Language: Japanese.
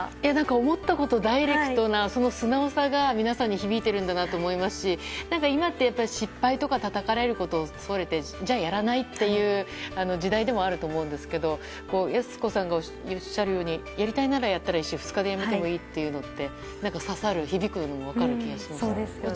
思ったことをダイレクトな素直さが皆さんに響いているんだなと思いますし今って、失敗とかたたかれることを恐れてじゃあ、やらないっていう時代でもあると思うんですけどやす子さんがおっしゃるようにやりたいならやったらいいし２日で辞めてもいいって刺さる、響くのが分かる気がする。